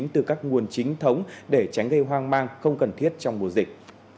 từ các nguồn chính thống để tránh gây hoang mang không cần thiết trong mùa dịch